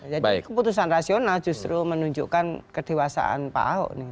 jadi keputusan rasional justru menunjukkan kedewasaan pak auk